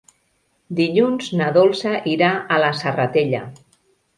Dilluns na Dolça irà a la Serratella.